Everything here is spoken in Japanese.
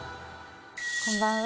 こんばんは。